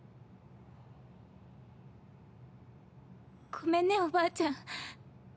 ごめんねおばあちゃん。